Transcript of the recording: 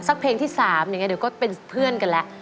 เพลงที่๓อย่างนี้เดี๋ยวก็เป็นเพื่อนกันแล้ว